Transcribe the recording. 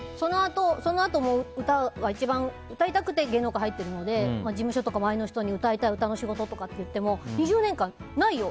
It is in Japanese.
そのあとも歌は一番歌いたくて芸能界に入ってるので事務所とか周りの人に歌いたい、歌の仕事って言っても２０年間ないよ